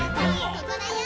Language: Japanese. ここだよ！